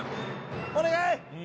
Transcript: お願い！